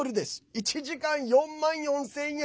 １時間４万４０００円。